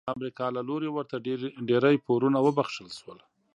د امریکا له لوري ورته ډیری پورونه وبخښل شول.